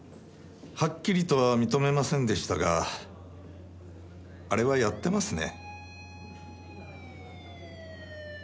はっきりとは認めませんでしたがあれはやってますね。